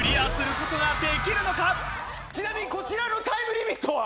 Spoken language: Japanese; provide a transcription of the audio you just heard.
ちなみにこちらのタイムリミットは？